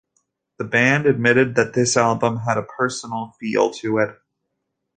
The band admitted that this album had a personal feel to it.